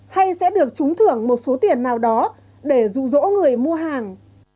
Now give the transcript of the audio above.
hay sẽ được trúng thưởng một số tiền nào đó để rụ rỗ người mua hàng